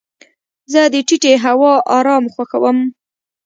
زه د ټیټې هوا ارام خوښوم.